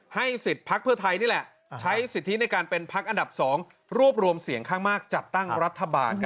สิทธิ์พักเพื่อไทยนี่แหละใช้สิทธิในการเป็นพักอันดับ๒รวบรวมเสียงข้างมากจัดตั้งรัฐบาล